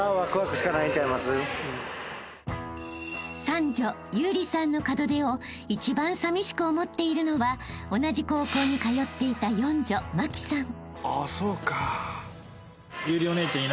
［三女由莉さんの門出を一番さみしく思っているのは同じ高校に通っていた四女茉輝さん］